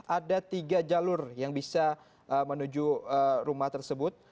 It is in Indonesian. ada tiga jalur yang bisa menuju rumah tersebut